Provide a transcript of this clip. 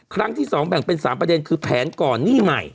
ครั้งที่๒แบ่งเป็น๓ประเด็นคือแผนก่อนหนี้ใหม่